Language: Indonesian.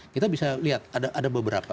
kita bisa lihat ada beberapa